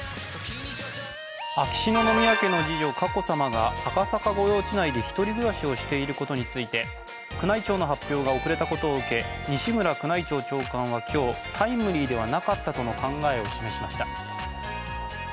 秋篠宮家の次女・佳子さまが赤坂御用地内で１人暮らしをしていることについて宮内庁の発表が遅れたことを受け西村宮内庁長官は今日、タイムリーではなかったとの考えを示しました。